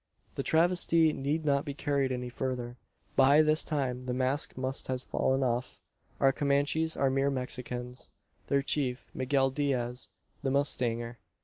The travesty need not be carried any further. By this time the mask must have fallen off. Our Comanches are mere Mexicans; their chief, Miguel Diaz, the mustanger.